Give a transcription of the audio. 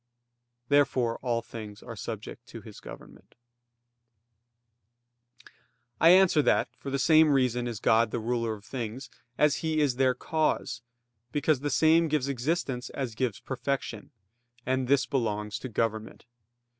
Therefore all things are subject to His government. I answer that, For the same reason is God the ruler of things as He is their cause, because the same gives existence as gives perfection; and this belongs to government.